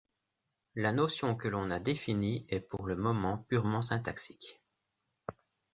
La notion que l'on a définie est pour le moment purement syntaxique.